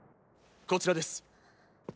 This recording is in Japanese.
こちらです。